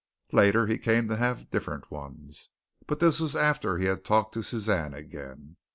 Later, he came to have different ones, but this was after he had talked to Suzanne again.